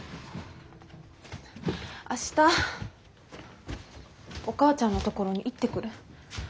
明日お母ちゃんの所に行ってくる。